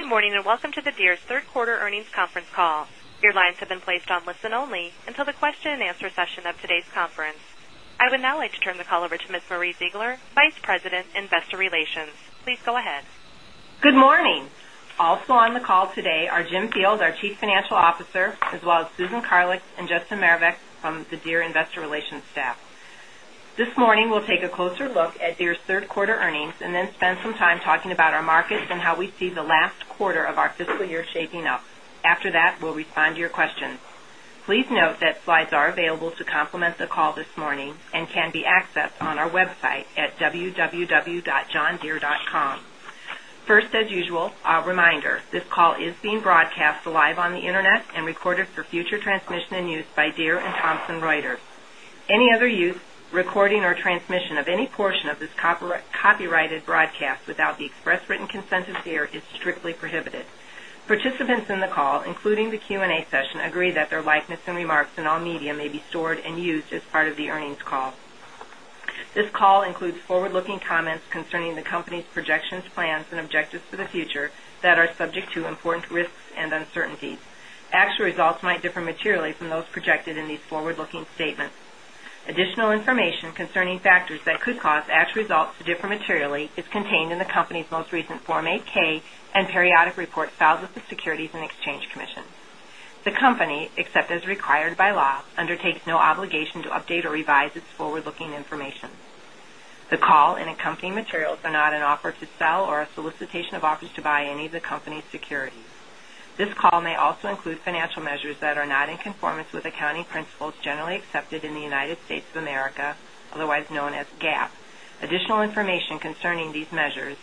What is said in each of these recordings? Good morning, and welcome to the Deere's Third Quarter Earnings Conference Call. Your lines have been placed on listen only until the question and answer session of today's conference. I would now like to turn the call over to Ms. Marie Ziegler, Vice President, Investor Relations. Please go Good morning. Also on the call today are Jim Fields, our Chief Financial Officer as well as Susan Carlick and Justin Marovec from the Deere Investor Relations staff. This morning, we'll take a closer look at Deere's 3rd quarter earnings and then spend some time talking about our markets and how we see the last quarter of our fiscal year shaping up. After that, we'll respond to your questions. Please note that slides are available to complement the call this morning and can be accessed on our website at www.johndeere.com. First, as usual, a reminder, this call is being broadcast live on the Internet and recorded for future transmission and use by Deere and Thomson Reuters. Any other use, recording or transmission of any of any portion of this copyrighted broadcast without the express written consent of care is strictly prohibited. Participants in the call, including the Q and A session, agree that their likeness and remarks in all media may be stored and used as part of the earnings call. This call includes forward looking comments concerning the company's projections, plans and objectives for the future that are subject to important risks and uncertainties. Actual results might differ materially from those projected in forward looking statements. Additional information concerning factors that could cause actual results to differ materially is contained in the company's most recent Form 8 ks and periodic reports filed with the Securities and Exchange Commission. The company, except as required by law, undertakes no obligation to update revise its forward looking information. The call and accompanying materials are not an offer to sell or a solicitation of offers to buy any of the company's securities. This call may also include financial measures that are not in conformance with accounting principles generally accepted in the United States of America, otherwise known as GAAP. Additional information concerning these measures,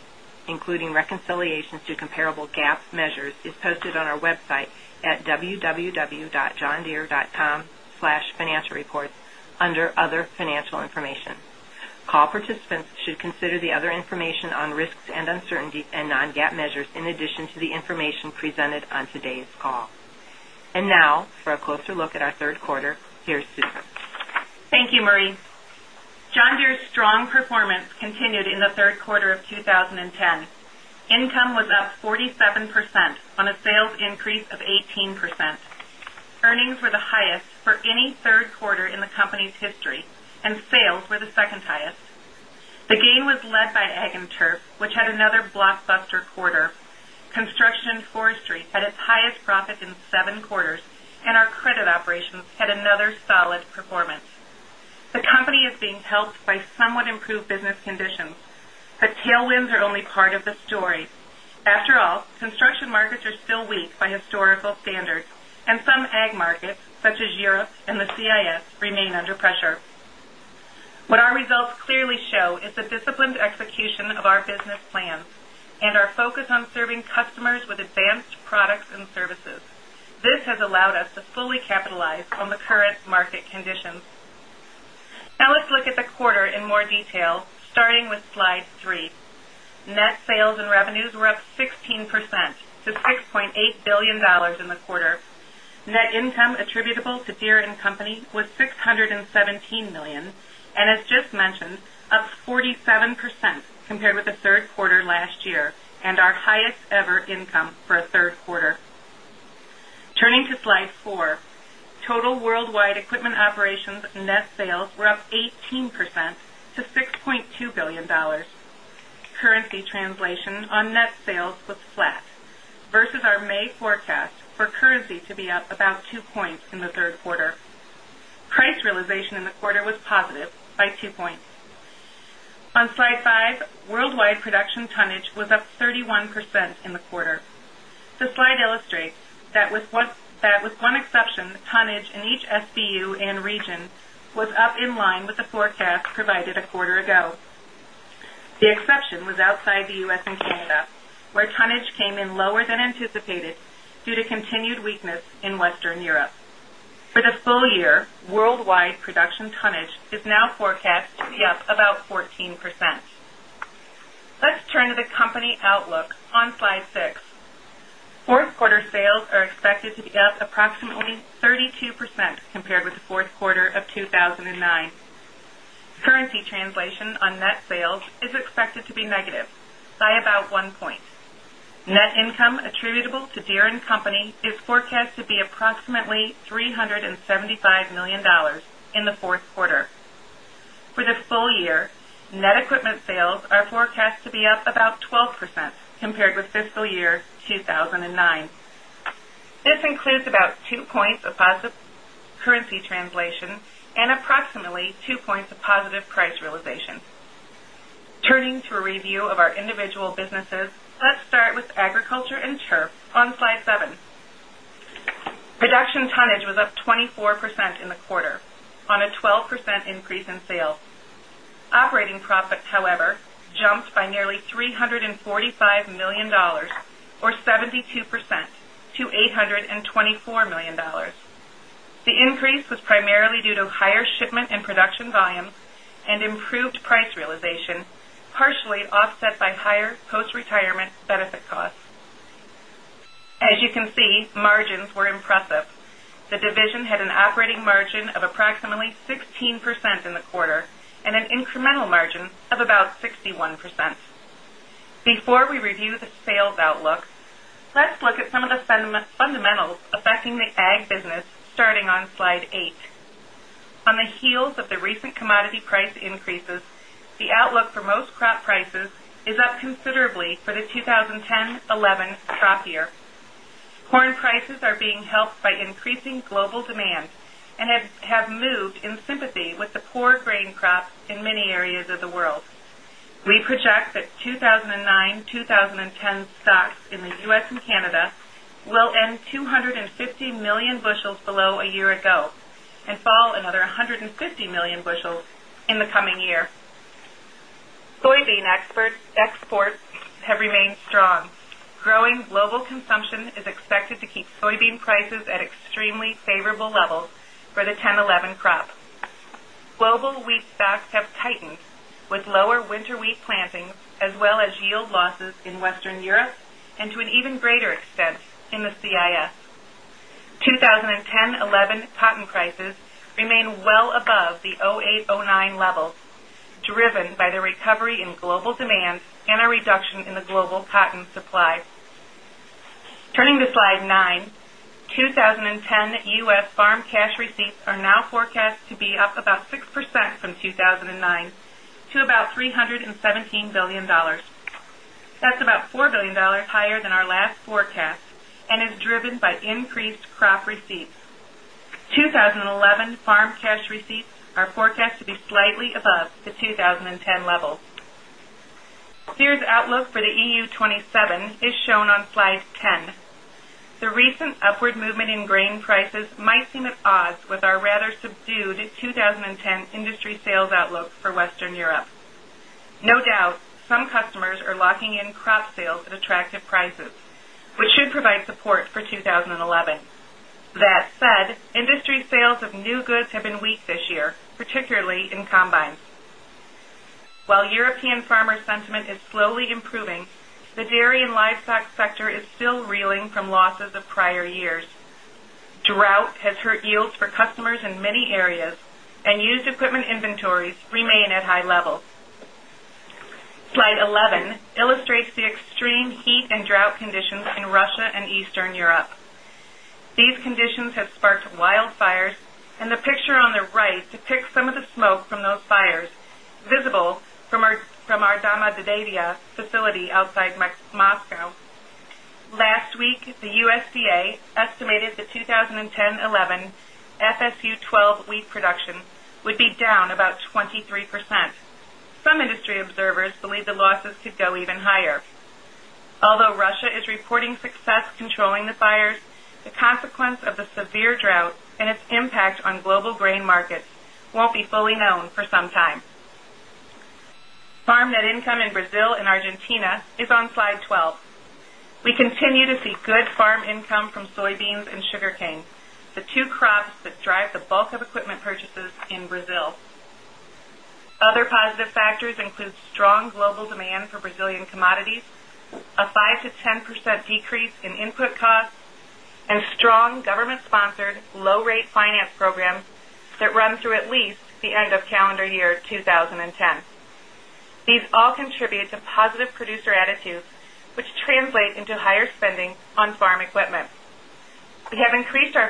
including reconciliations to comparable GAAP measures is posted on our website at www.johne deere.com/financialreports under other financial information. Call participants should consider the other information on risks and uncertainties and non GAAP measures in addition to the information presented on today's call. And now for a closer look at our Q3, Deere Susan. Thank you, Marie. John Deere's strong performance continued in the Q3 of 2010. Income was up 47% on a sales increase of 18%. Earnings were the highest for any third quarter in the company's history and sales were the 2nd highest. The gain was led by Ag and Turf which had another blockbuster quarter. Construction and Forestry had its highest profit in 7 quarters and our credit operations had another solid performance. The company is being helped by somewhat improved business conditions, but tailwinds are only part of the story. After all, construction markets are still weak by historical standards and some Ag markets such as Europe and the CIS remain under pressure. What our results clearly show is the disciplined execution of our business plans and our focus on serving customers with advanced products and services. This has allowed us to fully capitalize on the current market conditions. Now let's look at the quarter in more detail starting with Slide 3. Net sales and revenues were up 16% to $6,800,000,000 in the quarter. Net income attributable to Deere and Company was $617,000,000 and as just mentioned up 47% compared with the Q3 last year and our highest ever income for a 31% in the quarter. This slide illustrates that with one exception, tonnage in each SBU and region was up in with the forecast provided a quarter ago. The exception was outside the U. S. And Canada, where tonnage came in lower than anticipated due to turn to the company outlook on slide 6. 4th quarter sales are expected to be up approximately 32% compared with the Q4 of 2,000 and 9. Currency translation on net sales is expected to be negative by about 1 point. Income attributable to Deere and Company is forecast to be approximately $375,000,000 in the 4th quarter. For the full year, net equipment sales are forecast to be up about 12% compared with fiscal year 2,009. This includes about 2 points of positive currency translation and approximately 2 points of positive price realization. Turning to a review of our individual businesses, let's start with Agriculture and Chirp on Slide 7. Production tonnage was up 20 4% in the quarter on a 12% increase in sales. Operating profit however jumped by nearly 345 $1,000,000 or 72 percent to $824,000,000 The increase was primarily due to higher shipment and production volumes and improved price realization partially offset by higher post retirement benefit costs. As you can see, margins were impressive. The division had an operating margin of approximately 16% in the quarter and an an affecting the Ag business starting on Slide 8. On the heels of the recent commodity price increases, the outlook for most crop prices is up considerably for the 20 ten-twenty eleven crop year. Corn prices are being helped by project that 2,009, 2010 stocks in the U. S. And Canada will end 250,000,000 bushels below a year ago and fall another 150,000,000 bushels in the coming year. Soybean exports have remained strong. Growing global consumption is expected to keep soybean prices at extremely favorable levels for the 'ten 'eleven crop. Global wheat stocks have tightened with lower winter wheat plantings as well as yield losses in Western Europe and to an even greater extent in the CIS. 2010-eleven cotton crisis remain well above the 'eight, 'nine levels, driven by the recovery in global demand and a reduction in the global cotton supply. Turning to Slide 9, 2010 U. S. Farm cash receipts are now forecast to be up about 6% from 2 1,009 to about $317,000,000,000 That's about $4,000,000,000 higher than our last forecast and is driven by increased crop receipts. 2011 farm cash receipts are forecast to be slightly above the 20 10 levels. Sears outlook for the EU 27 is shown on Slide 10. The recent upward movement in grain prices might seem at odds with our rather subdued 2010 industry sales outlook for Western Europe. No doubt, some customers are locking in crop sales at attractive prices, which should provide support for 2011. That said, industry sales of new livestock sector is still reeling from losses of prior years. Drought has hurt yields for customers in many areas and used equipment inventories conditions have sparked wildfires and the picture on the right depicts conditions have sparked wildfires and the picture on the right depicts some of the smoke from those fires visible from our Dama Dedevia facility outside outside Moscow. Last week, the USDA estimated the 20 ten-eleven FSU-twelve wheat production would be down about 23%. Some industry observers believe the losses could go even higher. Although Russia is reporting success controlling the fires, the consequence of the severe drought and its impact on global grain markets won't be fully known for some time. Farm net income in Brazil and Argentina is on Slide 12. We continue to see good farm income from soybeans and sugarcane, the 2 crops that drive the bulk of equipment purchases in Brazil. Other positive factors include strong global demand for Brazilian commodities, a 5% to 10% decrease in input costs and strong government sponsored low rate finance programs that run through at least the end of calendar year 2010.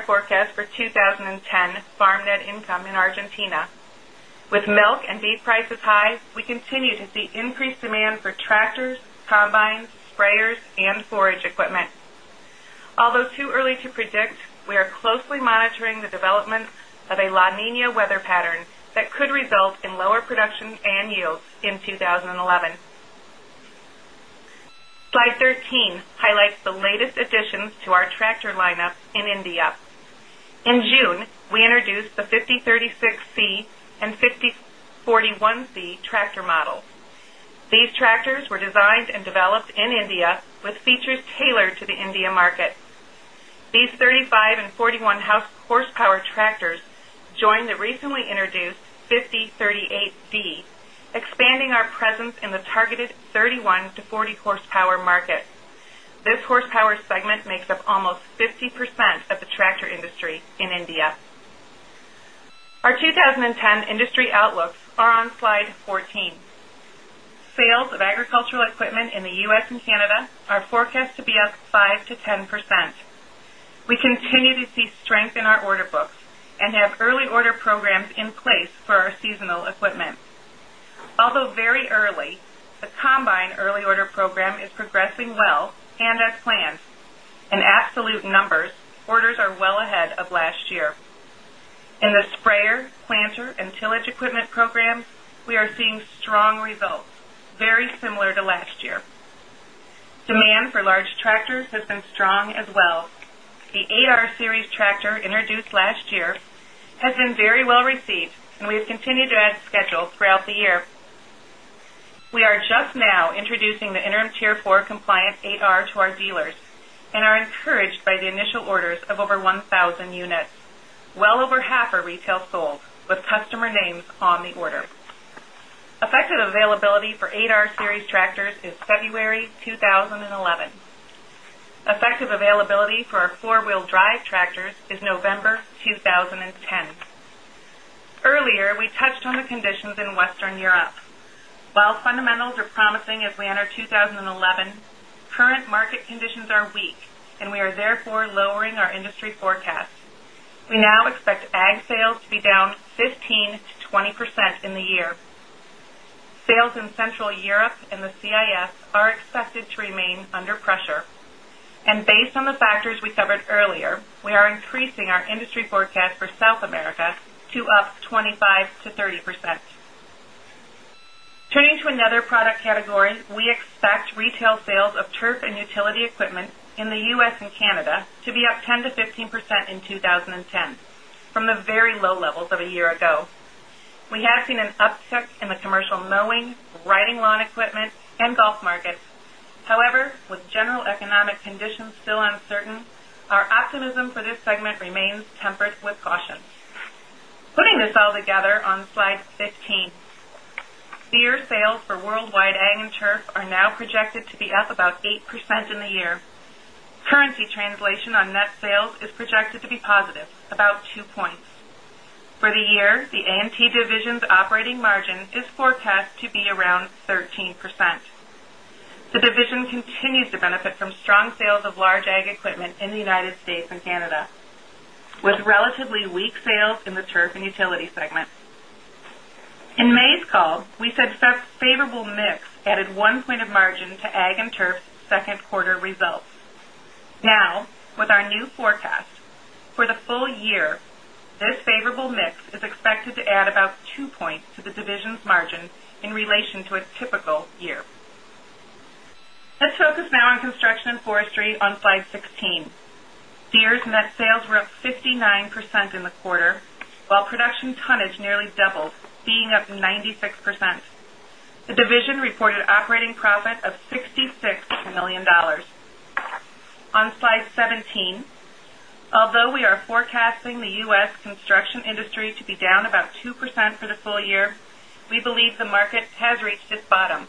Forecast for 20 10 farm net income in Argentina. With milk and beef prices high, we continue to see increased demand for tractors, sprayers and forage equipment. Although too early to predict, we are closely monitoring the development of a La Nina weather pattern that could result in lower production and yields in 20 11. Highlights the latest additions to our tractor lineup in India. In June, we introduced the 5,036C and 5041C tractor model. These tractors were designed and developed in India with features tailored to the India market. 35 and 41 horsepower tractors joined the recently introduced 5,038 D D expanding our presence in the targeted 31 to 40 horsepower market. This horsepower segment makes up almost 50 percent of the tractor industry in India. Our 2010 industry outlooks are on Slide 14. Sales of agricultural books and have early order programs in place for our seasonal equipment. Although very early, the combine early order program is progressing well and as planned, in absolute numbers, orders are well ahead of last year. In the sprayer, planter and tillage equipment programs, we are seeing strong results very similar to last year. Demand for large tractors has been strong as well. The 8R series tractor introduced last year has been very well received and we've continued to add schedule throughout the year. We are just now introducing the interim Tier 4 compliant AR to our dealers and are encouraged by the initial orders of over 1 1,000 units, well over half are retail sold with customer names on the order. Effective availability for 8R Series tractors is February 2011. Effective availability for our 4 wheel drive tractors is November 2010. Earlier, we touched on are therefore lowering our industry forecast. We now expect ag sales to be down 15% to 20% in the year. Sales in Central Europe and the CIS are expected to remain under pressure. And based on the factors we covered earlier, we are increasing our industry forecast for South America to up 25% to 30%. Turning to another product category, we expect retail sales of turf and utility equipment in the U. S. And Canada to be up 10% to 15% in 2010 from the very low levels of a year ago. We have seen an uptick in the commercial mowing, riding lawn equipment and golf markets. However, with general economic conditions still uncertain, our optimism for this segment remains tempered with caution. Year. Beer sales for worldwide ag and turf are now projected to be up about 8% in the year. Currency translation on net sales is projected to be positive about 2 points. For the year, the AMT division's operating margin is forecast to be around 13%. The division continues to benefit from strong sales of large ag equipment in the United States and Canada with relatively weak sales in the Turf and Utility segment. In May's call, we said favorable mix added 1 point of margin to Ag and Turf's 2nd quarter results. Now with our new forecast, for the full year, this favorable mix is expected to add about 2 points to the division's margin in relation to a typical year. Let's focus now on Construction and Forestry on Slide 16. Deere's net sales were up 59 percent in the quarter, while production tonnage nearly doubled being up 96%. The division reported operating profit of 66 $1,000,000 On Slide 17, although we are forecasting the U. S. Construction industry to be down about 2 percent for the full year, we believe the market has reached its bottom.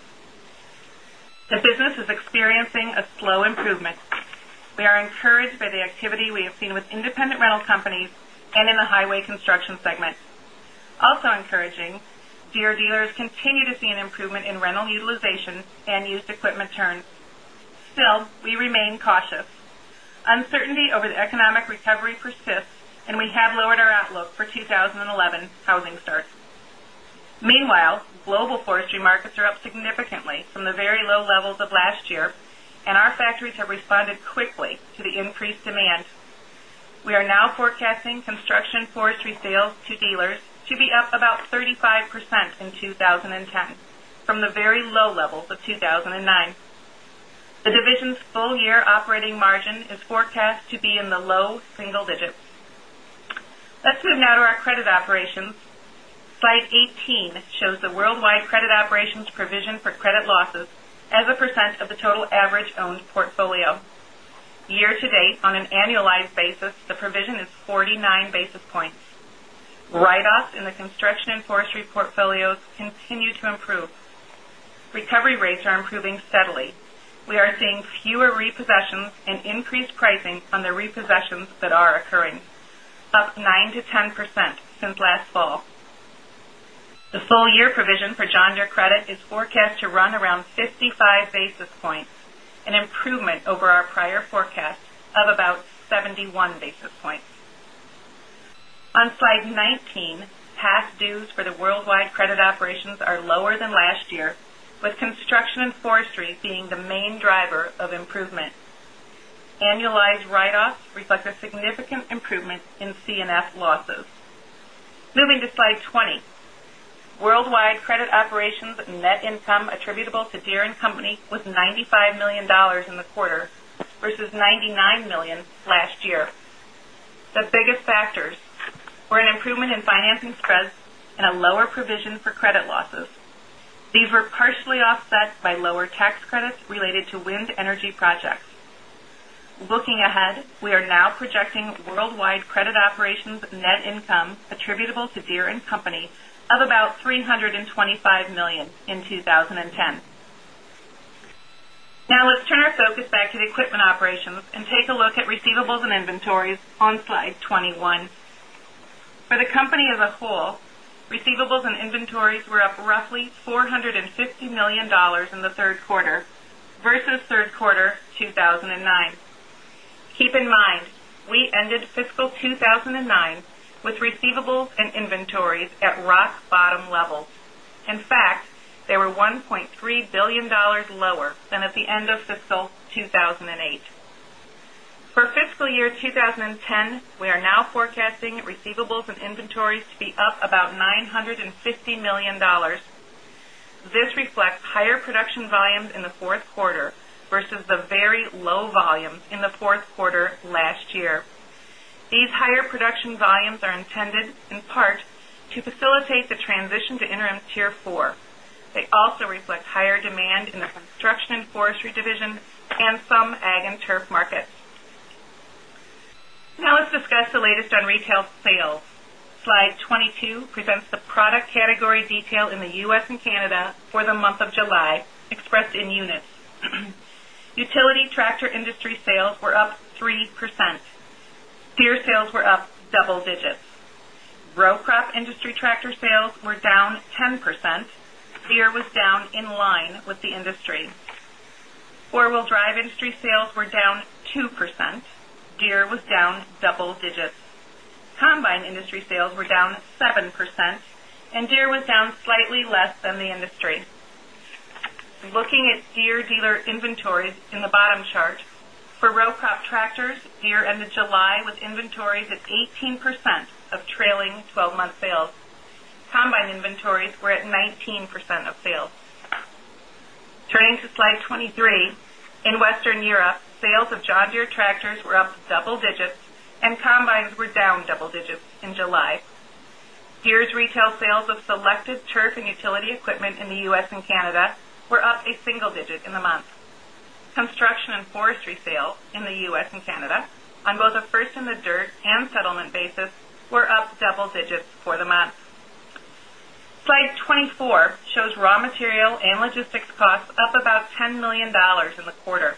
The business is experiencing a slow improvement. We are encouraged by the activity we have seen with independent rental companies and in the highway construction segment. Also encouraging, over the economic recovery persists and we have lowered our outlook for 20 11 housing starts. Meanwhile, global forestry markets are up significantly from the forestry markets are up significantly from the very low levels of last year and our factories have responded quickly to the increased demand. We are now forecasting forestry sales to dealers to be up about 35% in 2010 from the very low levels of 2,009. The division's full year operating margin is forecast to be in the low single digits. Let's move now to our credit operations. Slide 18 shows the worldwide credit operations provision for credit losses as a percent of the total average owned portfolio. Year to date on an annualized basis, the provision is 49 basis points. Up 9% to 10% since last fall. The full year provision for John Deere credit is forecast to run around 50 5 basis points, an improvement over our prior forecast of about 70 1 basis points. On Slide 19, past dues for the worldwide credit operations are lower than last year with construction and forestry being the main driver of improvement. Annualized write offs reflect a significant improvement in C and F losses. Moving to Slide 20, worldwide credit operations net income attributable to Deere were an improvement in financing spreads and a lower provision for credit losses. These were partially offset by lower tax credits related to wind energy projects. Looking ahead, we are now projecting worldwide credit operations net income attributable to Deere and Company of about $325,000,000 in 20.10. Now let's turn our focus back to the equipment operations and take a look receivables and inventories on Slide 21. For the company as a whole, receivables and inventories were up roughly 4 $50,000,000 in the Q3 versus Q3 2,009. Keep in mind, we ended fiscal 2,009 with receivables and inventories at rock bottom level. In fact, they were 1 $300,000,000 lower than at the end of fiscal 2,008. For fiscal year 2010, we are now forecasting receivables and inventories to be up about $950,000,000 This reflects higher production volumes in the 4th quarter versus the very low volumes in the Q4 last year. These higher production volumes are intended in part to facilitate the transition to interim Tier 4. They also reflect higher demand in the Construction and Forestry division and some ag and turf markets. Now let's discuss the latest on retail sales. Slide 22 presents the product category detail in the U. S. And Canada for the Deer industry sales were down 2%, gear was down double digits. Combine industry sales were down 7% and slightly less than the industry. Looking at Deere dealer inventories in the bottom chart, for row crop tractors, Deere ended July with inventories at 18% of trailing 12 month sales. Combine inventories were at 19% of sales. Turning to Slide 23, in Western Europe, sales of John Deere tractors were up double digits and combines were down double digits in July. Deere's retail sales of selected turf and utility equipment in the U. S. And Canada were up single digit in the month. Construction and forestry sales in the U. S. And Canada on both the first in the dirt and settlement basis were up double digits for the month. Slide 24 shows raw material and logistics costs up about $10,000,000 in the quarter.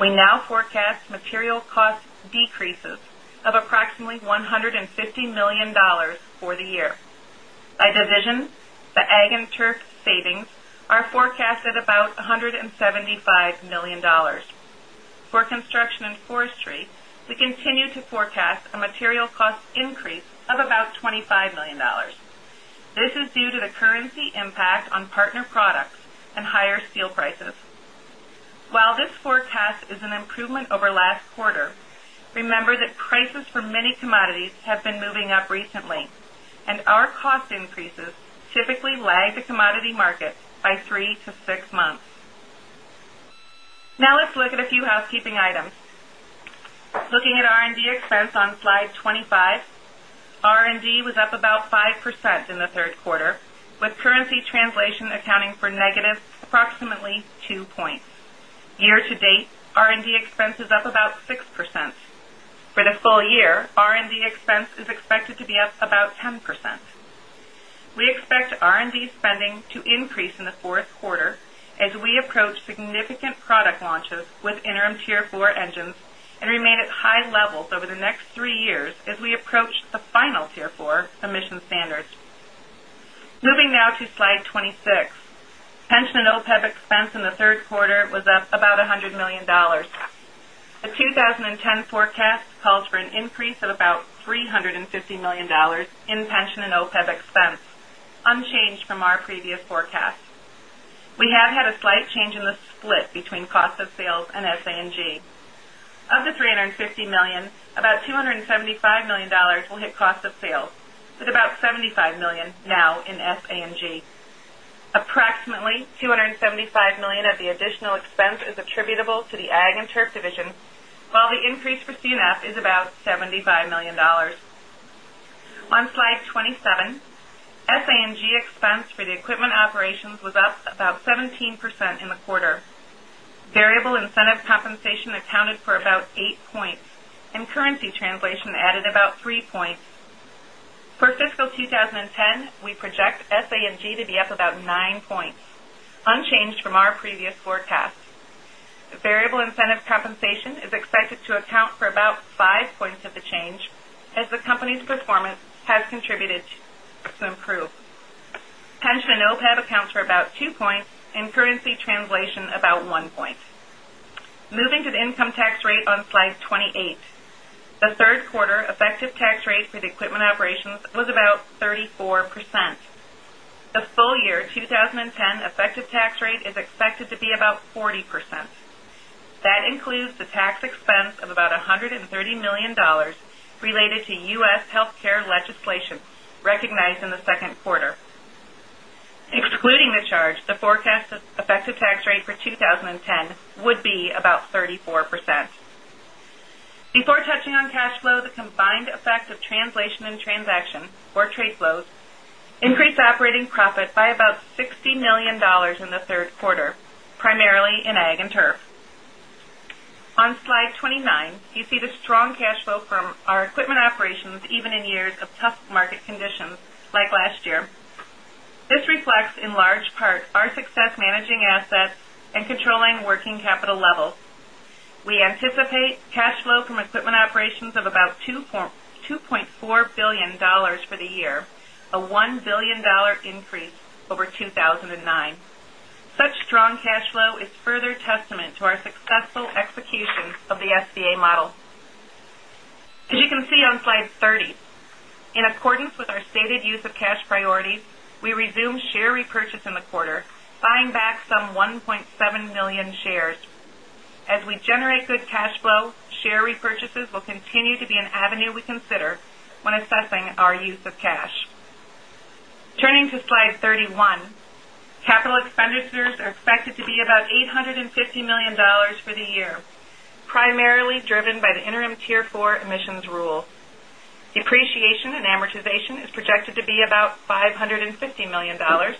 We now forecast material cost decreases of approximately $150,000,000 for the year. By division, the Ag and Turf savings are forecasted about $175,000,000 For Construction and Forestry, the have been moving up recently and our cost increases typically lag the commodity market by 3 to 6 months. Now let's look at a few housekeeping items. Looking at R and D expense on Slide 25, R and D was up about 5% in the 3rd quarter with currency translation accounting for negative approximately 2 points. Year to date, R and D expense is up about 6%. For the full year, R and D expense is expected to be up about 10%. We expect R and D spending to increase in the 4th quarter as we approach significant product launches with interim Tier 4 engines and remain at high levels over the next 3 years as we approach the final Tier 4 emission standards. Moving now to Slide 26, pension and OPEB expense in the 3rd quarter was up about $100,000,000 The 2010 forecast calls for an increase of about $350,000,000 in pension and OPEB expense, unchanged from our previous forecast. We have had a slight change in the split between cost of sales and SANG. Of the $350,000,000 about $275,000,000 will hit cost of sales, but about $75,000,000 now in S A and G. Approximately $275,000,000 of the additional expense is attributable to the Ag and Turf division, while the increase for C and F is about $75,000,000 On Slide 27, and G expense for the equipment operations was up about 17% in the quarter. Variable incentive compensation accounted for about 8 points and currency translation added about 3 points. For fiscal 2010, we project SANG to be up about 9 points, unchanged from our previous forecast. Variable incentive compensation is expected to account for about 5 points of the change as the company's performance has contributed to improve. Pension and currency translation about 1 point. Moving to the income tax rate on Slide 28. The 3rd quarter effective tax for the equipment operations was about 34%. The full year 2010 effective tax rate is expected to be 20 Q2. Excluding the charge, the forecast effective tax rate for 20.10 would be about 34%. Before touching on cash flow, the combined effect of translation and transaction or trade flows increased operating profit by about $60,000,000 in the 3rd quarter, primarily in ag and turf. On Slide 29, you see the strong cash flow from our equipment operations even in years of tough market conditions like last year. Reflects in large part our success managing assets and controlling working capital levels. We anticipate cash flow from equipment operations of about $2,400,000,000 for the year, a $1,000,000,000 increase over 2,009. Such strong cash flow is is further testament to our successful execution of the SBA model. As you can see on Slide 30, in accordance with our stated use of cash priorities, As Turning to slide 31, capital expenditures are expected to be about $850,000,000 for the year, primarily driven by the interim Tier 4 emissions rule. Depreciation and amortization is projected to be about $550,000,000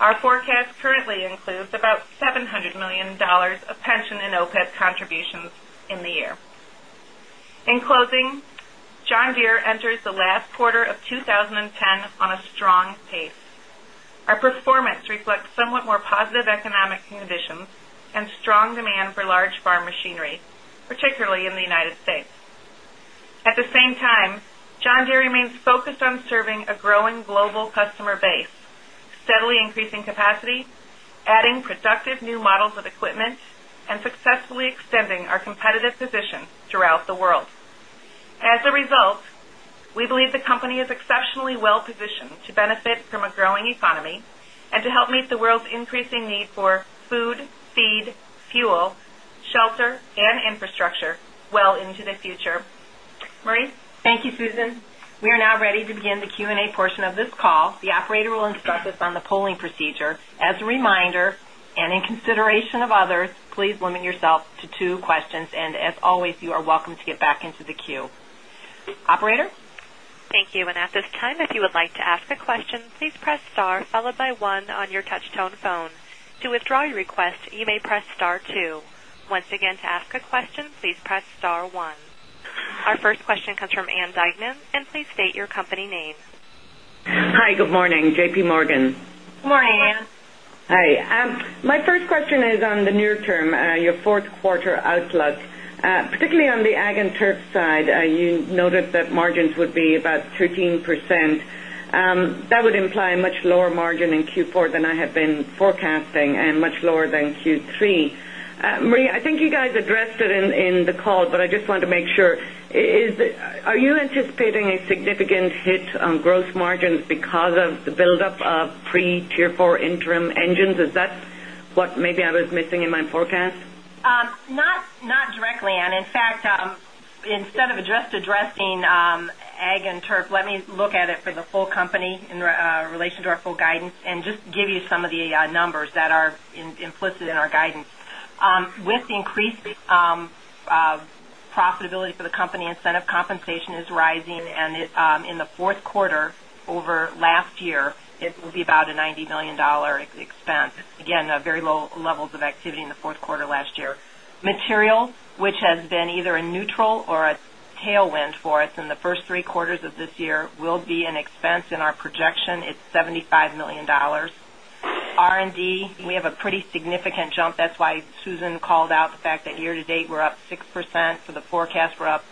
Our forecast currently includes about $700,000,000 of 2010 on a strong pace. Our performance reflects somewhat more positive economic conditions and strong demand for large farm machinery, particularly in the United States. At the same time, John Deere remains focused on serving a growing global customer base, steadily increasing capacity, adding productive new models of equipment and successfully extending our competitive position throughout the world. As a result, we believe the company is exceptionally well positioned to benefit from a growing economy and help meet the world's increasing need for food, feed, fuel, shelter and infrastructure well into the future. Marie? Thank you, Susan. We are now ready to begin the Q and A portion of this call. The operator will instruct us on the polling procedure. As a reminder and in consideration of others, limit yourself to 2 questions. And as always, you are welcome to get back into the queue. Operator? Thank Our first question comes from Ann Duignan. And please state your company name. Hi, good morning, JPMorgan. Good morning, Ann. Hi. My first question is on the near term, your 4th quarter outlook. Particularly on the Ag and Turf side, you noted that margins would be about 13%. That would imply a much lower margin in Q4 than I have been forecasting and much lower than Q3. Marie, I think you guys addressed it in the call, but I just want to make sure. Is are you anticipating a significant hit on gross margins because of the buildup of pre Tier 4 interim engines? Is that what maybe I was missing in my forecast? Not directly Anne. In fact, instead of just addressing ag and turf, let me look at it for the full company in relation to our full guidance and just give you some of the numbers that are implicit in our guidance. With the increased profitability for the company incentive compensation is rising and in the Q4 over last year it will be about a $90,000,000 expense, again, very low levels of activity in the Q4 last year. Material, which has been either a neutral or a tailwind for us in the 1st 3 quarters of this year will be an expense in our projection, it's $75,000,000 R D, we have a pretty significant jump. That's why Susan called out the fact that year to date we're up 6%. For the forecast, we're up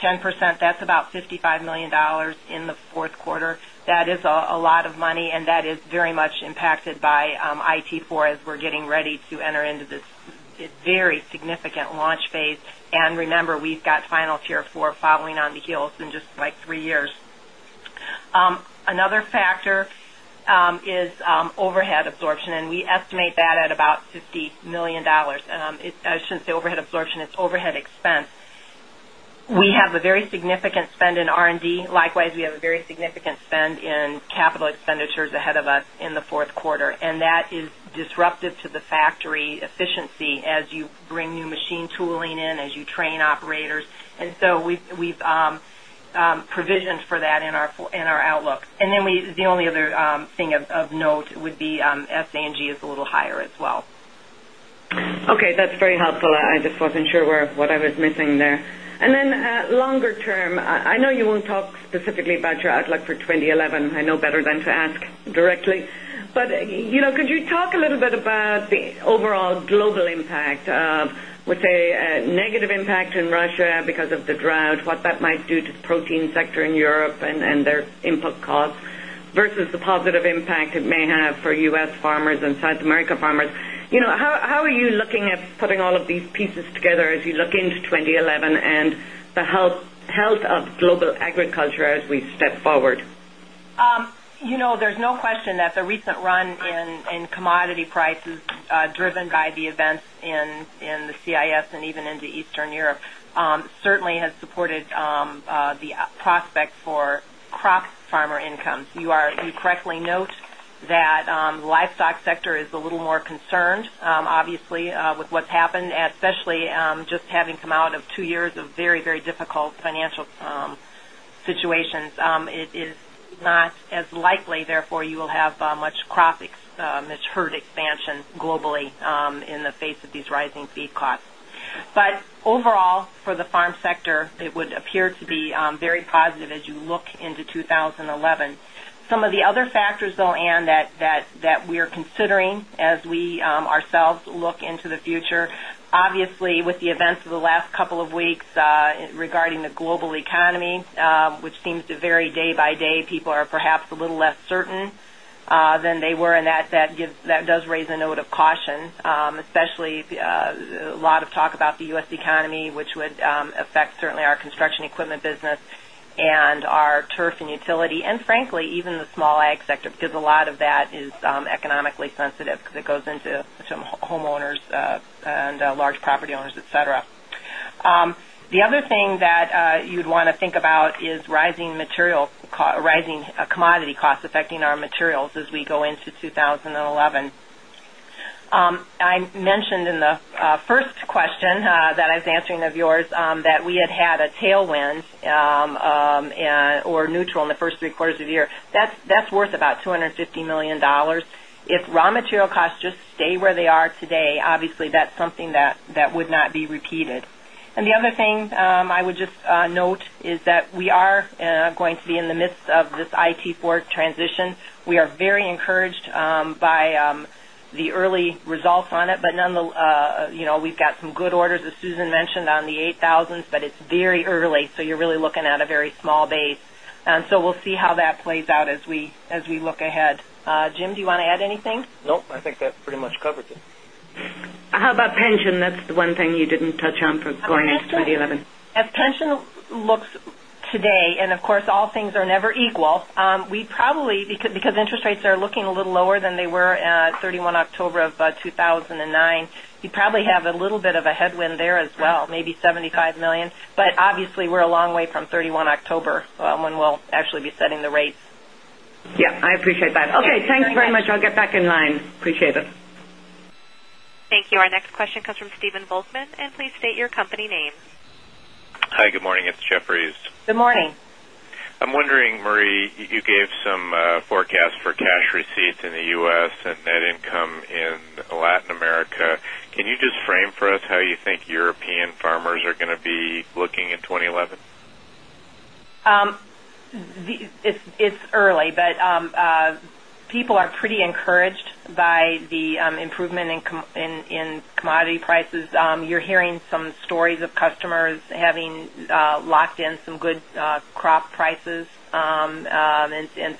10%. That's about $55,000,000 in the 4th quarter. That is a lot of money and that is very much impacted by IT 4 as we're getting ready to enter into this very significant launch phase. And remember, we've got final Tier 4 falling on the heels in just like 3 years. Another factor is overhead absorption and we estimate that at about $50,000,000 I shouldn't say overhead absorption, it's overhead expense. We have a very significant spend in and D. Likewise, we have a very significant spend in capital expenditures ahead of us in the Q4 and that is disruptive to the factory efficiency as you bring new machine tooling in, as you train operators. And so we've provisioned for that in our outlook. And then we the only other thing of note would be SA and G is a little higher as well. Okay. That's very helpful. I just wasn't sure what I was missing there. And then longer term, I know you won't talk specifically about your outlook for 2011. I know better than to ask directly. But could you talk a little bit about the overall global impact of, let's say, a negative impact in Russia because of the drought, what that might do to the protein sector in Europe and their input costs versus the positive impact it may have for U. S. Farmers and South America farmers. How are you looking at putting all of these pieces together as you look into 2011 and the health of global agriculture as we step forward? There's no question that the recent run-in commodity prices driven by the events in the CIS and even into Eastern Europe certainly has supported the prospect for crop farmer income. You are you correctly note that me note that livestock sector is a little more concerned obviously with what's happened especially just having come out of 2 years of very, very difficult financial situations. It is not as likely therefore you will have much crop, much herd expansion globally in the face of these rising feed costs. But overall for the farm sector, it would appear to be very positive as you look into 2011. Some of the other factors though, Anne, that we are considering as we ourselves look into the future. Obviously, with the events of the last couple of weeks regarding the global economy, which seems to vary day by day, people are perhaps a little less certain than they were and that does raise a note of caution, especially a lot of talk about the U. S. Economy, which would affect certainly our Construction Equipment business and our turf and utility and frankly even the small ag sector because a lot of that is economically sensitive because it goes into homeowners and large property owners, etcetera. The other thing that you'd want to think about is rising material rising commodity costs affecting our materials as we go into 2011. I mentioned in the first question that I was answering of yours that we had had a tailwind or neutral in the 1st 3 quarters of the year. That's worth about $250,000,000 If raw material costs just stay where they are today, obviously, that's something that would not be repeated. And the other thing, I would just note is that we are going to be in the midst of this IT port transition. We are very encouraged by the early results on it, but nonetheless we've got some good orders as Susan mentioned on the 8 1000s, but it's very early. So you're really looking at a very small base. And so we'll see how that plays out as we look ahead. Jim, do you want to add anything? No, I think that pretty much covered you. How about pension? That's the one thing you didn't touch on for going into the 11? As pension looks today and of course all things are never equal, we probably because interest rates are looking little lower than they were at 31 October of 2009, you probably have a little bit of a headwind there as well, maybe 75,000,000 But obviously, we're a long way from 31 October when we'll actually be setting the rates. Yes. I appreciate that. Okay. Thanks very much. I'll get back in line. Appreciate it. Thank you. Our next question comes from Steven Volkmann. Please state your company name. Hi, good morning. It's Jefferies. Good morning. I'm wondering, Marie, you gave some forecast for cash receipts in the U. S. And net income in Latin America. Can you just frame for us how you think European farmers are going to be looking at improvement in commodity prices. You're hearing some stories of customers having locked in some good crop prices and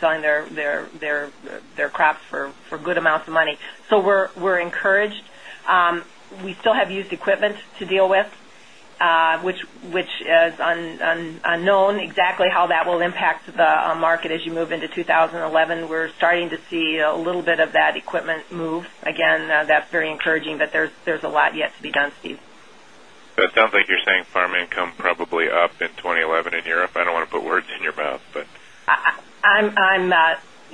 selling their crops for good amounts of money. So we're encouraged. We still have used equipment to deal with, which is unknown exactly how that will impact the market as you move into 2011. We're starting to see a little bit of that equipment move. Again, that's very encouraging, but there's a lot yet to be done, Steve. It sounds like you're saying farm income probably up in 2011 in Europe. I don't want to put words in your mouth, but I'm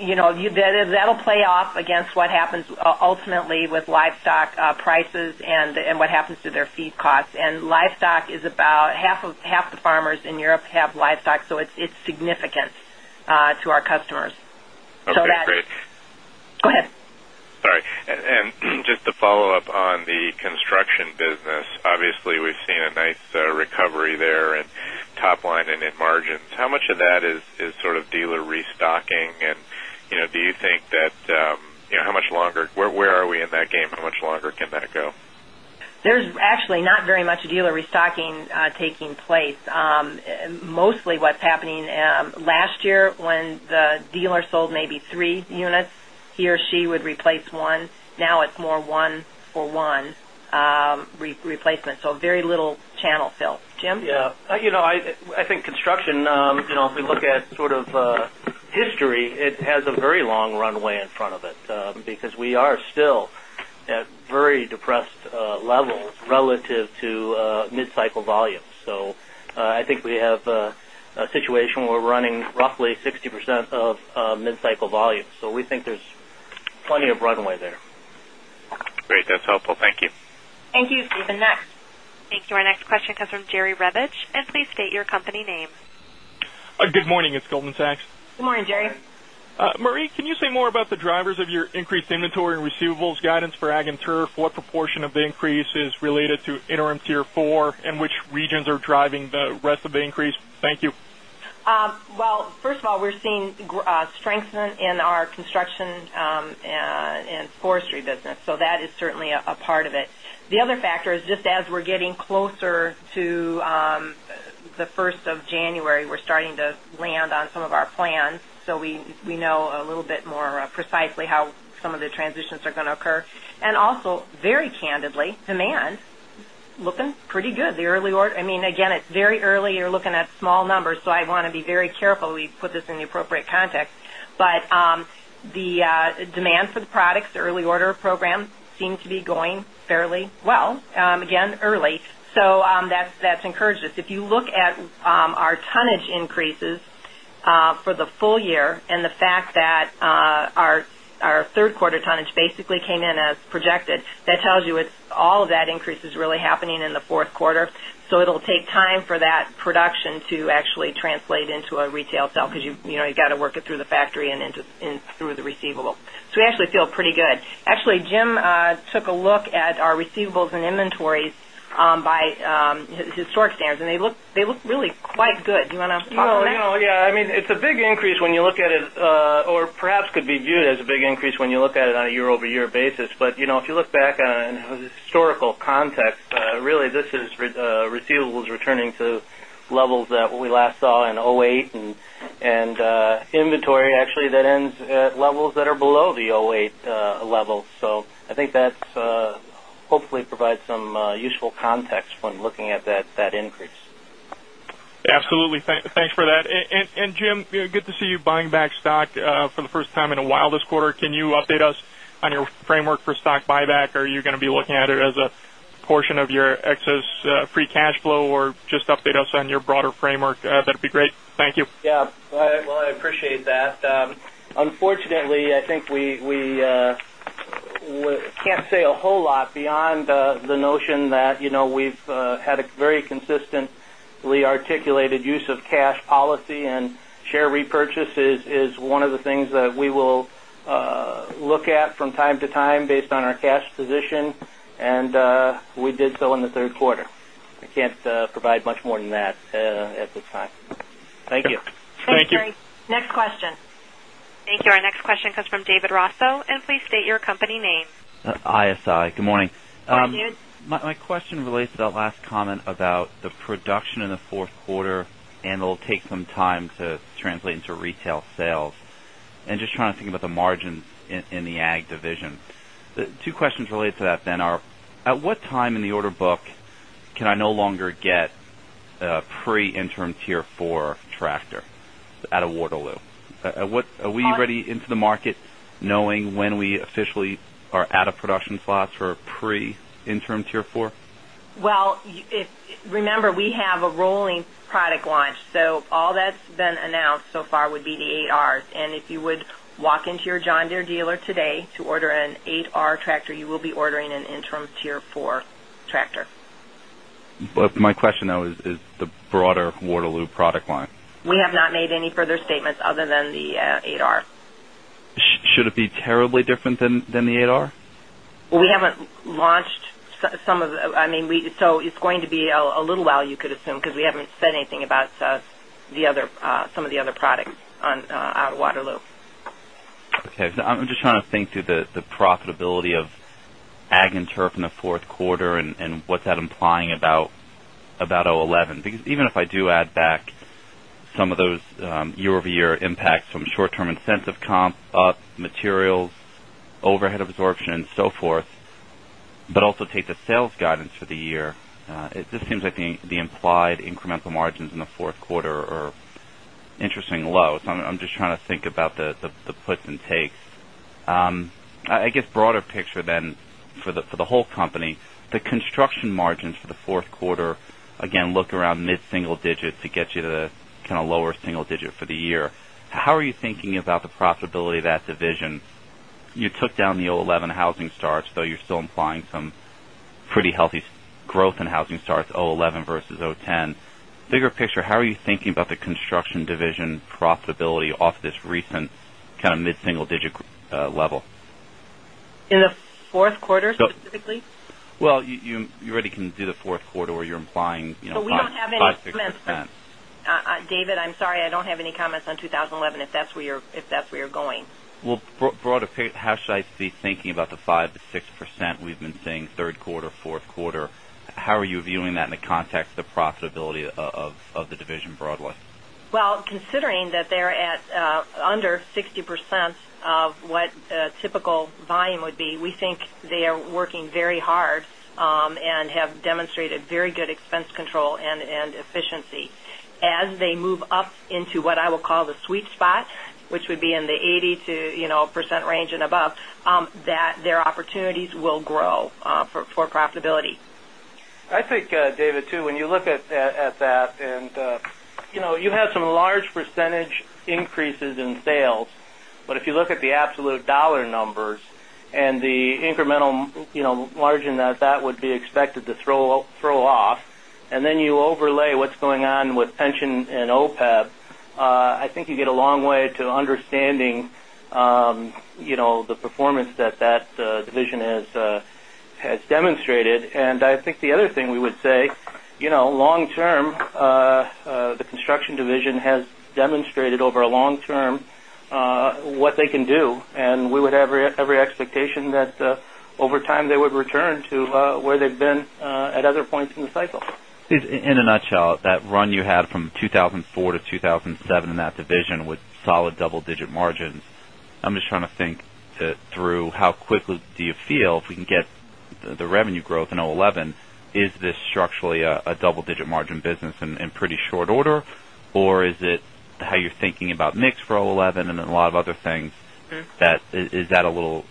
that'll play off against what happens ultimately with livestock prices and what happens to their feed costs. And livestock is about half the farmers in Europe have livestock. So it's significant to our customers. Okay, great. Go ahead. Sorry. And just a follow-up on the construction business. Obviously, we've seen a nice recovery there in top line and in margins. How much of that is sort of dealer restocking? And do you think that how much longer where are we in that game? How much longer can that go? There is actually not very much dealer restocking taking place. Mostly what's happening last year when the dealer sold maybe 3 units, he or she would replace 1. Now it's more 1 for 1 replacement. So very little channel fill. Jim? Yes. I think construction, if we look at sort of history, it has a very long runway in front of it, because we are still at very depressed levels relative to mid cycle volumes. So, I think we have a situation where we're running roughly 60% of mid cycle volume. So we think there's plenty of runway there. Great. That's Our next question comes from Jerry Revich. Please state your company name. Good morning. It's Goldman Sachs. Good morning, Jerry. Marie, can you say more about the drivers of your increased inventory and receivables guidance for ag and turf? What proportion of the increase is related to interim Tier 4 and which regions are driving the rest of the increase? Thank you. You. Well, first of all, we're seeing strength in our construction and forestry business. So that is certainly a part of it. The other factor is just as we're getting closer to the 1st January, we're starting to land on some of our plans. So we know a little bit more precisely how some of the transitions are going to occur. And also very candidly demand looking pretty good. I mean, again, it's very early you're looking at small numbers. So I want to be very careful we put this in the appropriate context. But the demand for the products, early order program seem to be going fairly well, again early. So that's encouraged us. If you look at our tonnage increases for the full year and the fact that our 3rd quarter tonnage basically came in as projected that tells you it's all of that increase is really happening in the Q4. So it will take time for that production to actually translate into a retail because you've got to work it through the factory and into through the receivable. So we actually feel pretty good. Actually, Jim took a look at our receivables and inventories by historic standards and they look really quite good. Do you want to talk about that? No, yes, I mean, it's a big increase when you look at it or perhaps could be viewed as a big increase when you look at it on a year over year basis. But if you look back on historical context, really this is receivables returning to levels that we last saw in 'eight and inventory actually that ends at levels are below the 'eight level. So I think that's hopefully provides some useful context when looking at that increase. And Jim, good to see you buying back stock for the first time in a while this quarter. Can you update us on your framework for stock buyback? Are you going to be looking at it as a portion of your excess free cash flow or just update us on your broader framework? That would be great. Thank you. Yes. Well, I appreciate that. Unfortunately, I think we can't say a whole lot beyond the notion that we've had a very consistently articulated use of cash policy and share repurchases is one of the things that we will look at from time to time based on our cash position and we did so in the Q3. I can't provide much more than that at this time. Thank you. Thank you. Next question. Thank you. Our next comes from David Rosso. And please state your company name. ISI. Good morning. Thank you. My question relates to that last comment about the production in the Q4 and it will take some time to translate into retail sales. And just trying to think about the margins in the Ag division. Two questions related to that then are, at what time in the order book can I no longer get pre interim Tier 4 tractor at a Waterloo? Are we ready into the market knowing when we officially are out of production slots for pre interim Tier 4? Well, remember, we have a rolling product launch. So all that's announced so far would be the 8Rs. And if you would walk into your John Deere dealer today to order an 8R tractor, you will be ordering an interim Tier 4 tractor. But my question though is the broader Waterloo product line? We have not made any further statements other than the 8R. Should it be terribly different than the 8R? We haven't launched some of I mean, we so it's going to be a little while you could assume because we haven't said anything about the other some of the other Waterloo. Okay. I'm just trying to think through the profitability of ag and turf in the 4th quarter and what's that implying about 2011? Because even if I do add back some of those year over year impacts from short term incentive comp up materials, overhead absorption and so forth, but also take the sales guidance for the year, it just seems like the implied I guess broader picture then for the whole company, the construction margins for the Q4, again, look around mid single digits get you to the kind of lower single digit for the year. How are you thinking about the profitability of that division? You took down the 11 housing starts, so you're still implying some pretty healthy growth in housing starts 'eleven versus 'ten. Bigger picture, how are you thinking about 4th quarter specifically? Well, you already can do the 4th quarter or you're implying So we don't have any comments. David, I'm sorry, I don't have any comments on 2011, if that's where you're going. Well, broader, how should I be thinking about the 5% to 6% we've been seeing 3rd quarter, 4th quarter? How are you viewing that in the context of the profitability of the division broadly? Well, considering that they're at under 60% of what typical volume would be, we think they are working very hard and have demonstrated very good expense control and efficiency. As they move up into what I will call the opportunities will grow for profitability. Okay. And then, opportunities will grow for profitability. I think David too, when you look at that and you have some large percentage increases in sales, but if you look at the absolute dollar numbers and the incremental margin to understanding the performance that that division has demonstrated. And I think the other thing we would say, long term, the construction division has demonstrated over a long term what they can do and we would have every expectation that over time they would return to where they've been at other points in the cycle. In a nutshell, that run you had from 2004 to 2007 in that division with solid double digit margins, I'm just trying to think through how quickly do you feel if we can get the revenue growth in 2011, is this structurally a double digit margin business in pretty short order or is it how you're thinking about mix for 2011 and then a lot of other things that is that a little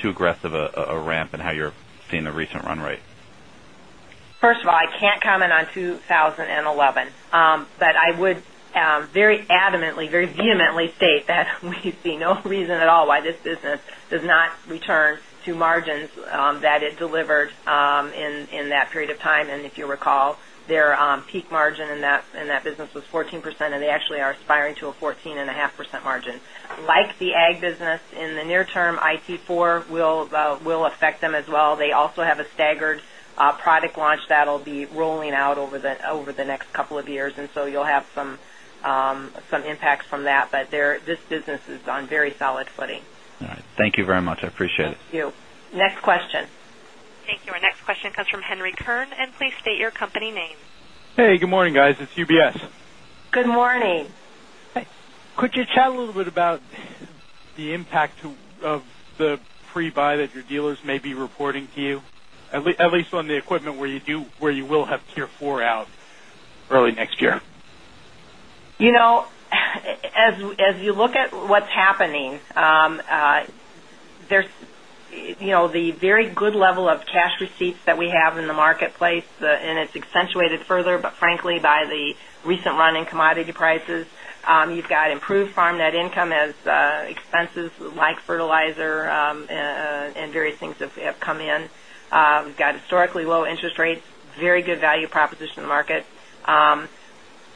too aggressive a ramp and how you're seeing the recent run rate? First of all, I can't comment on 2011, but I would very adamantly, very vehemently state that we see no reason at all why this business does not return to margins that it Ag business in the near term, IT4 will affect them. Ag business in the near term, IT4 will affect them as well. They also have a staggered product launch that will be rolling out over the next couple of years. And so you'll have some impacts from that, but there this business is on very solid footing. All right. Thank you very much. I Our next question comes from Henry Kern. It's UBS. Good morning. Could you chat a little bit about the impact of the pre buy that your dealers may be reporting to you, at least on the equipment where you do where you will have Tier 4 out early next year? As you look at what's happening, there's the very good level of cash receipts that we have in the marketplace and it's accentuated further, but frankly by the recent run-in commodity prices. You've got improved farm net income as expenses like fertilizer and various things have come in. We've got historically low interest rates, very good value proposition in the market.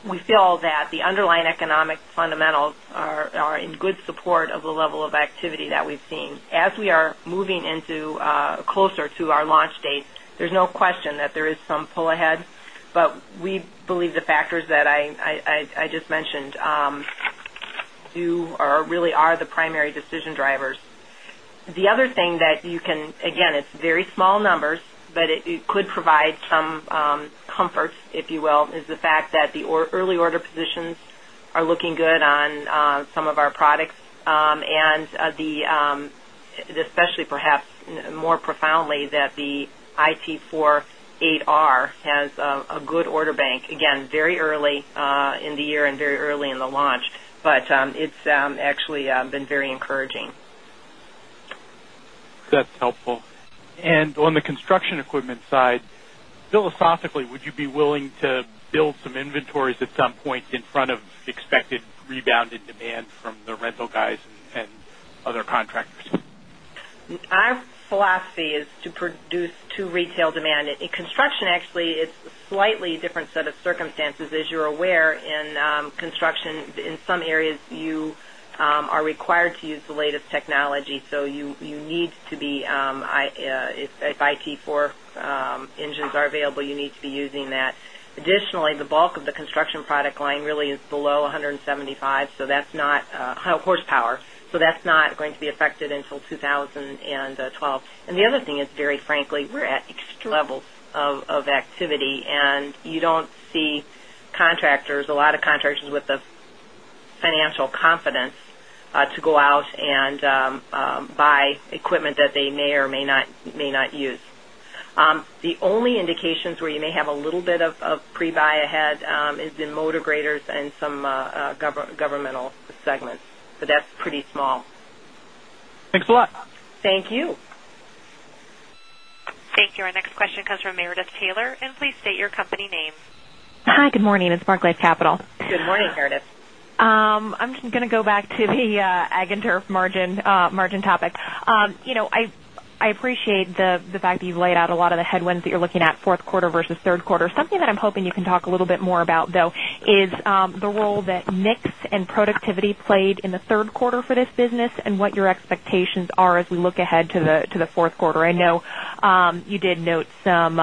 We feel that the underlying economic fundamentals are in good support of the level of activity that we've seen. As we are moving into closer to our launch date, there's no question that there is some pull ahead, but we believe the factors that I just mentioned do are really the primary decision drivers. The other thing that you can again, it's very small numbers, but it could provide some comfort, if you will, is the fact that the early order positions are looking good on some of our products and the especially perhaps more profoundly that the IT-four-eight has a good order bank, again, very early in the year and very early in the launch, but it's actually been very encouraging. And on the construction equipment side, philosophically, would you be willing to build some inventories at some point in front of expected rebounded demand from the rental guys and other contractors? Our philosophy is to produce to retail demand. In construction, actually, it's slightly different set of circumstances. As you're aware, in construction, in some areas, you are required to use the latest technology. So you need to be if IT4 engines are available you need to be using that. Additionally, the bulk of the construction product line really is below 175, so that's not horsepower. So that's not going to be affected until 2012. And the other thing is very frankly, we're at extra levels of activity and you don't see contractors, a lot of contractors with the financial confidence to go out and buy equipment that they may or may not use. The only indications where you may have a little bit of pre buy ahead is in motor graders and some governmental segments. So that's pretty small. Thanks a lot. Thank you. Thank you. Our next question comes from Meredith Taylor. And please state your company name. Hi, good morning. It's Capital. Good morning, Meredith. I'm just going to go back to the ag and turf margin topic. I appreciate the fact you've laid out a lot of the headwinds that you're looking at Q4 versus Q3. Something that I'm hoping you can talk a little bit more about though is the role that mix productivity played in the Q3 for this business and what your expectations are as we look ahead to the Q4? I know you did note some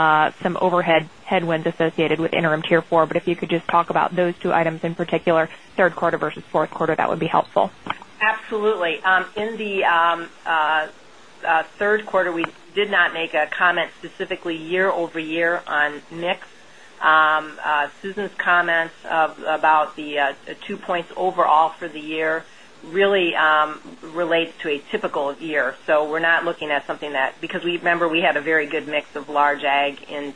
overhead headwinds associated with interim Tier 4, but if you could just talk about those two items in particular, Q3 versus Q4, that would be helpful. Absolutely. In the Q3, we did not make a comment specifically year over year on mix. Relates to a typical year. So we're not looking at something that because remember we had a very good mix of large ag in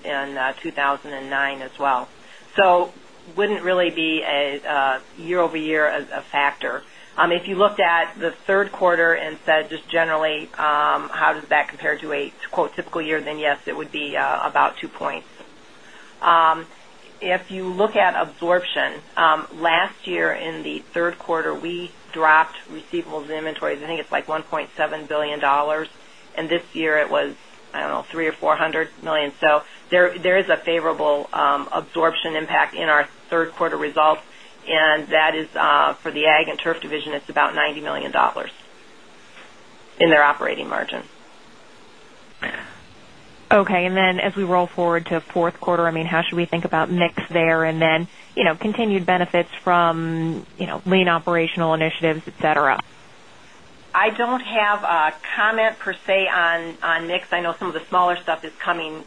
2,009 as well. So wouldn't really be a year over year as a factor. If you looked at the Q3 and said just generally how does that compare to a typical year then yes it would be about 2 points. If you look at absorption, last year in the Q3 we dropped receivables and inventories. I think it's like $1,700,000,000 and this year it was, I don't know, dollars 3,000,000 or $400,000,000 So there is a favorable absorption impact in our Q3 results and that is for the Ag and Turf division, it's $90,000,000 in their operating margin. Okay. And then as we roll forward to 4th quarter, how should we think about mix there and then continued benefits from lean operational initiatives, etcetera? I don't have a comment per se on mix. I know some of the smaller stuff is coming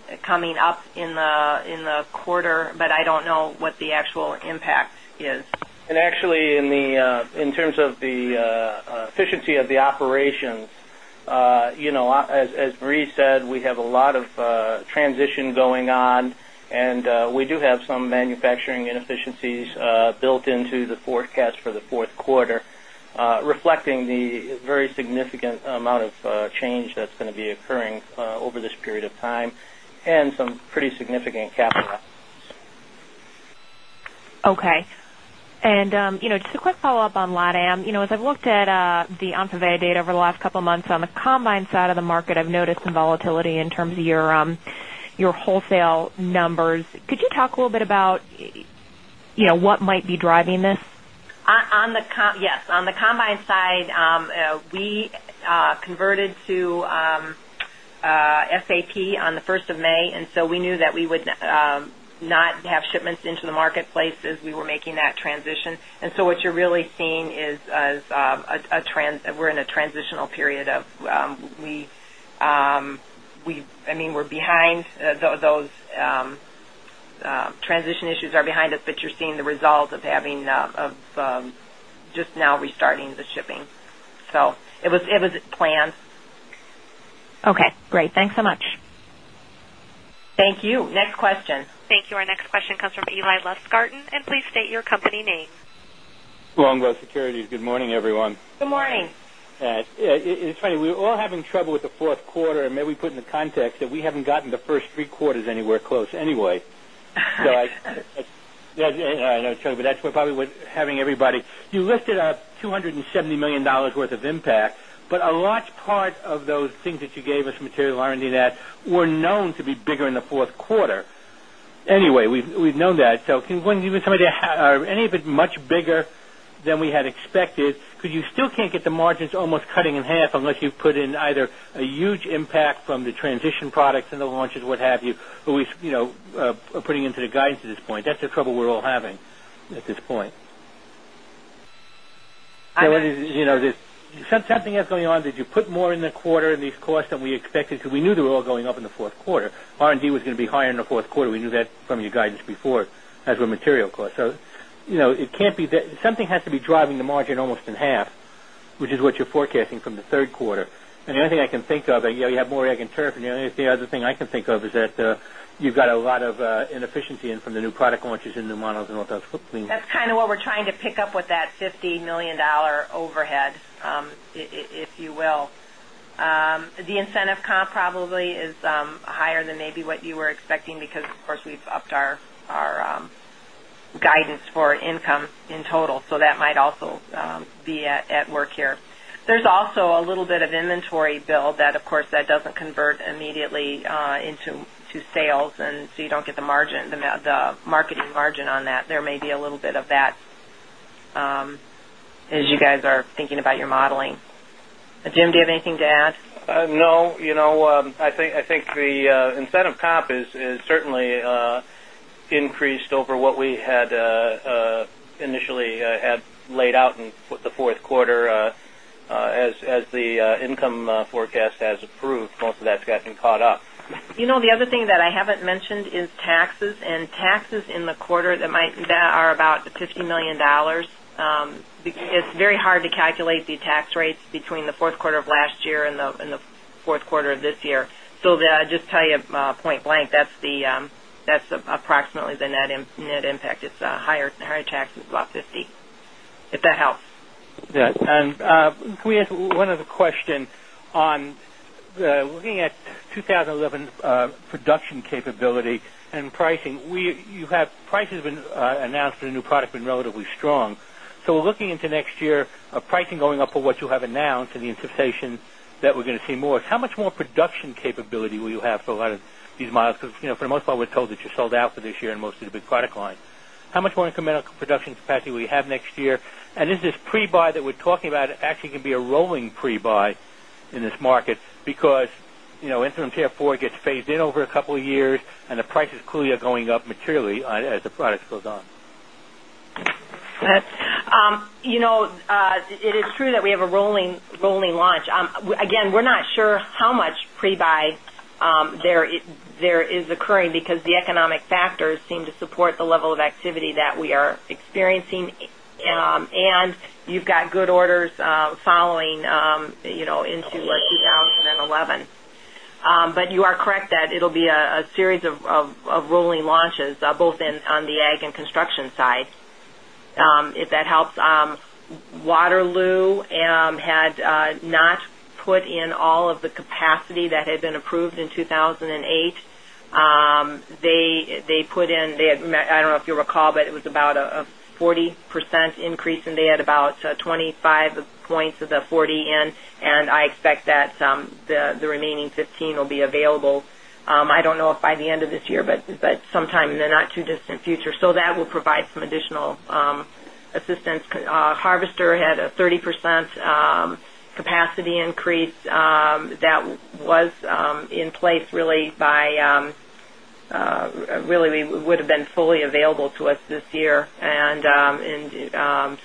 up in the quarter, but I don't know what the actual impact is. And actually in terms of the efficiency of the operations, as we said, we have a lot of transition going on and we do have some manufacturing inefficiencies built into the forecast for the Q4, reflecting the very significant amount of change that's going to be occurring over this period of time and some pretty significant capital. Okay. And just a quick follow-up on LatAm. As I've looked at the ENPOVATE data over the last couple of months on the combine side of the market, I've noticed some volatility in terms of your wholesale numbers. Could you talk a little bit about what might be driving this? Yes. On the combine side, we converted to SAP on the 1st May. And so we knew that we would not have shipments into the marketplace as we were making that transition. And so what you're really seeing is a we're in a transitional period of we I mean, we're behind those transition issues are behind us, but you're seeing the results of having just now restarting the shipping. So it was planned. Okay, great. Thanks so much. Thank you. Next question. Thank you. Our next question comes from Eli Longbow Securities. Good morning, everyone. Good morning. It's funny, we're all having trouble with the 4th quarter. Maybe put in the context that we haven't gotten the 1st 3 quarters anywhere close anyway. So I know it's true, but that's what having everybody you listed a $270,000,000 worth of impact, but a large part of those things that you us material R and D that were known to be bigger in the Q4. Anyway, we've known that. So can you give us some of it much bigger than we had expected? Could you still can't get the margins almost cutting in half unless you put in either a huge impact from the transition products and the launches, what have you, who is putting into the guidance at this point. That's the trouble we're all having at this point. So something else going on, did you put more in the quarter in these costs than we expected? So we knew they were all going up in the Q4. R and D was going to be higher in the Q4. We knew that from your guidance before as were material costs. So it can't be that something has to be driving the margin almost in half, which is what you're forecasting from the Q3. And the only thing I can think of, yes, you have more I can turn from you. The only other thing I can think of is that you've got a lot of inefficiency in from the new product launches in new models and all those foot clean. That's kind of what we're trying to pick up with that $50,000,000 overhead, if you will. The incentive comp probably is higher than maybe what you were expecting because of course we've upped our doesn't convert immediately into sales and so you don't get the margin the marketing margin on that. There may a little bit of that as you guys are thinking about your modeling. Jim, do you have anything to add? No. No. I think the incentive comp is certainly increased over what we had initially had laid out in the Q4 as the income forecast has approved, most of that's gotten caught up. The other thing that I haven't mentioned is taxes and taxes in the quarter that might that are about the 50 dollars 1,000,000 It's very hard to calculate the tax rates between the Q4 of last year and the Q4 of this year. So I'll just tell you point blank that's approximately the net impact. It's higher tax is about €50,000,000 if that helps. Yes. And can we ask one other question on looking at 2011 production capability and pricing, Prices have been announced, the new product has been relatively strong. So we're looking into next year, pricing going up for what you have announced and the cessation that we're going to see more. How much more production capability will you have for a lot of these models, because for the most part, we're told that you sold out for this year and mostly the big product line. How much more incremental production capacity we have next year? And is this pre buy that we're talking about actually can be a rolling pre buy in this market because interim Tier 4 gets phased in over a couple of years and the price is clearly going up materially as products goes on? It is true that we have a rolling launch. Again, we're not sure how much pre buy there is occurring because the economic factors seem to support the level of activity that we are experiencing. And you've got good orders following into 2011. But you are correct that it will be a series of rolling launches both on the ag and construction side. If that helps, had not put in all of the capacity that had been approved in 2,008. They put in I don't know if you recall, but it was about a 40% increase and they had about 25 points of the 40 in and I expect that the remaining 15 will be available. I don't know if by the end of this year, but sometime in the not too distant future. So that will provide some additional assistance. Harvester had a 30% capacity increase that was in place really by really would have been fully available to us this year. And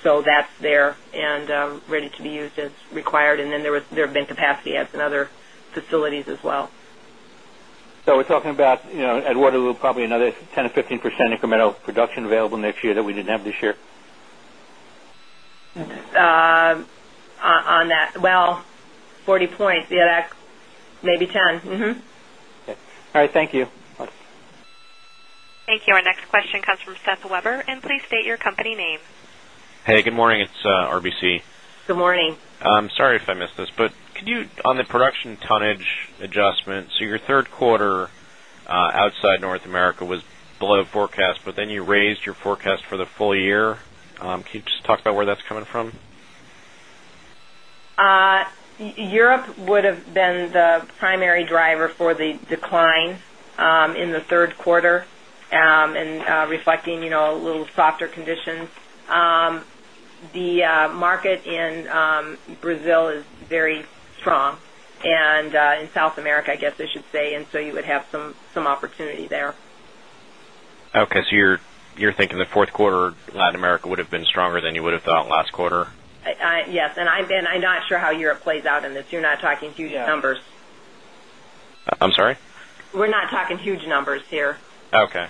so that's there and ready to be used as required. And then there have been capacity adds in other facilities as well. So we're talking about at Waterloo probably another 10% to 15% incremental production available next year that we didn't have this year? On that, well, 40 points, yes, maybe 10. All right. Thank you. Thank you. Our the production tonnage adjustment, so your Q3 outside North America was below forecast, but then you raised your forecast for the full year. Can you just talk about where that's coming from? Europe would have been in Brazil is very strong and in South America, I guess, I should say, and so you would have some opportunity there. Okay. So you're thinking the Q4 Latin America would have been stronger than you would have thought last quarter? Yes. And I'm not sure how Europe plays out in this. You're not talking huge numbers. I'm sorry? We're not talking huge numbers here. Okay.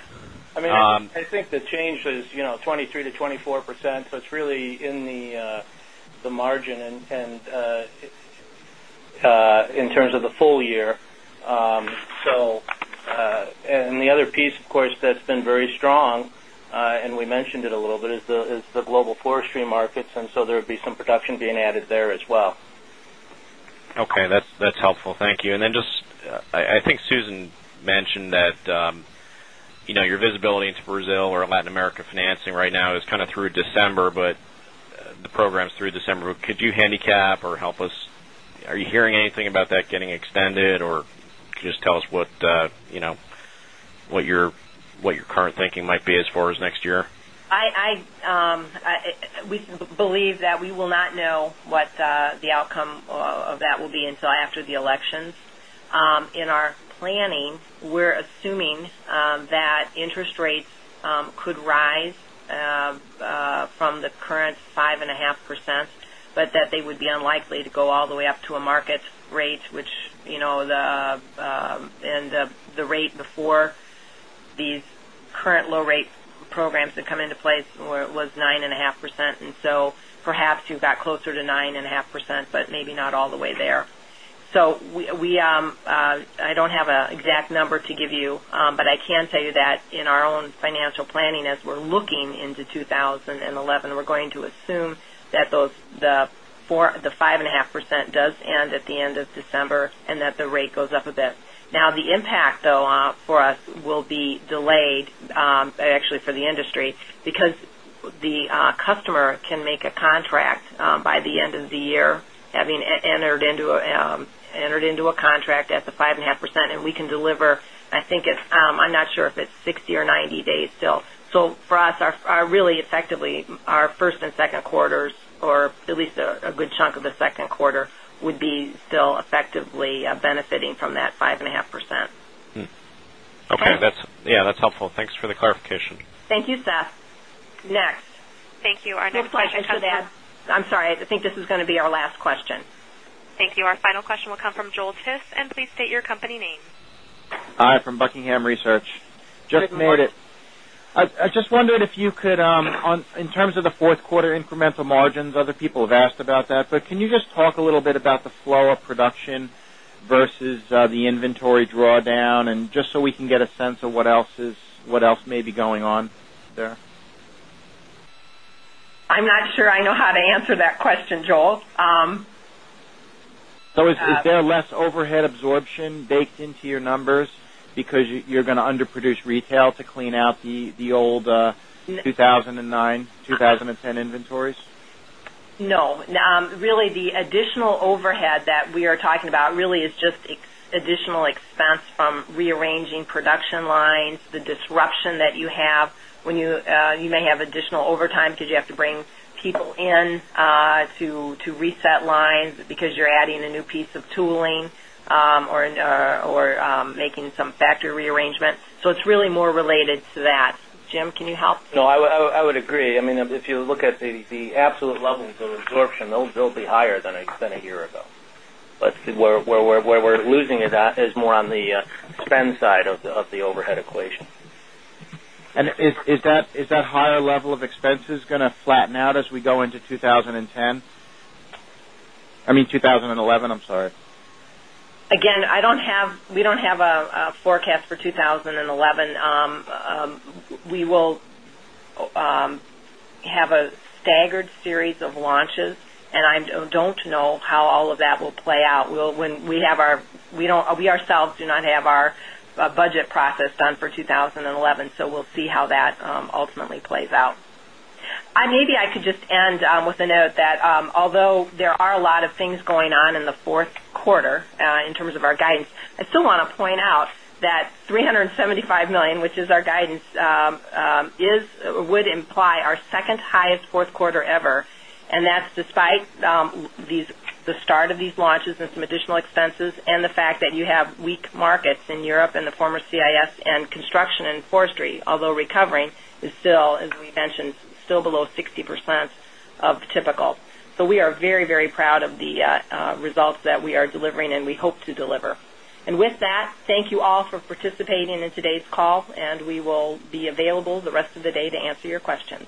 I mean, I think the change is 23% to 24%. So it's really in the margin and in terms of the full year. So, and the other piece of course that's been very strong and we mentioned it a little bit is the global forestry markets and so there would be some production being added there as well. Okay, that's helpful. Thank you. And then just I think Susan mentioned that your visibility into your visibility into Brazil or Latin America financing right now is kind of through December, but the program is through December. Could you handicap or help us? Are you hearing anything about that getting extended or just tell us what your current thinking might be as far as next year? We believe that we will not know what the outcome of that will be until after the elections. In our planning, we're assuming that interest rates could rise from the current 5.5%, but that they would be unlikely to go all the way up to a market rate, which the and the rate before these current low rate programs that come into place was 9.5%. And so perhaps you've got closer to 9.5%, but maybe not all the way there. So we I don't have an exact number to give you, but I can tell you that in our own financial planning as we're looking into 2011, we're going to assume that those the 5.5% does end at the end of December and that the rate goes up a bit. Now the impact though for us will be delayed actually for the industry because the customer can make a contract by the end of the year having entered into a contract at the 5.5 percent and we can deliver, I think it's I'm not sure if it's 60 or 90 days still. So for us, really effectively, our first and second quarters or at least a good chunk of the second quarter would be still effectively benefiting from that 5.5%. Okay. That's helpful. Thanks for the clarification. Thank you, Seth. Next. Thank you. Our next question comes from the line of Matt. I'm sorry, I think this is going to be our last question. Thank you. Our final question will come from Joel Tiss. Please state your company name. Hi, from Buckingham Research. Just wondered if you could, in terms of the Q4 incremental margins, other people have asked about that, but can you just talk a little bit about the flow of production versus the inventory drawdown and just so we can get a sense of what else is what else may be going on there? I'm not sure I know how to answer that question, Joel. So is there less overhead absorption baked into your numbers because you're going to under produce retail to clean out the old 2000 and 9, 2010 inventories? No. Really the additional overhead that we are talking about really is just additional expense from rearranging production lines, the disruption that you have when you may have additional overtime because you have to bring people in to reset lines because you're adding a new piece of tooling or making some factory rearrangements. So it's really more related to that. Jim, can you help? No, I would agree. I mean, if you look at the absolute levels of absorption, they'll be higher than it's been a year ago. But where we're losing it at is more on the spend side of the overhead equation. And is that higher level of expenses going to flatten out as we go into 2010 I mean 2011, I'm sorry. Again, I don't have we don't have a forecast for 2011. We will have a staggered series of launches and I don't know how all of that will play out. We'll when we have our we don't we ourselves do not have our budget process done for 2011. So we'll see how that ultimately plays out. Maybe I could just end with a note that although there are lot of things going on in the Q4 in terms of our guidance, I still want to point out that 375 dollars, which is our guidance, is would imply our 2nd highest 4th quarter ever. And that's despite these the start of these launches and some additional expenses and the fact that you have weak markets in Europe and the former CIS and construction and forestry, although recovering as we mentioned, still below 60% of typical. So we are very, very proud of the results that we are delivering and we hope to deliver. And with that, thank you all for participating in today's call, and we will be available the rest of the day to answer your questions.